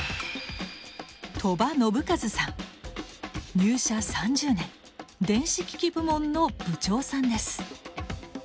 入社３０年電子機器部門の部長さんです。